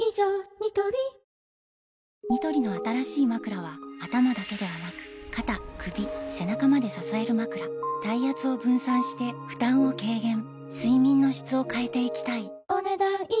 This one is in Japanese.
ニトリニトリの新しいまくらは頭だけではなく肩・首・背中まで支えるまくら体圧を分散して負担を軽減睡眠の質を変えていきたいお、ねだん以上。